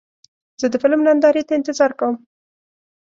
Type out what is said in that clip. زه د فلم نندارې ته انتظار کوم.